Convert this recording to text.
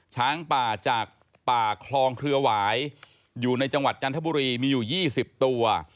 ช้างป่าจากป่าคลองเครือหวายอยู่ในจังหวัดจันทบุรีมีอยู่๒๐ตัว